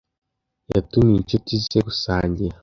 Yatumiye inshuti ze gusangira.